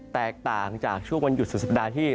แตกต่างจากช่วงวันหยุดสุดสัปดาห์ที่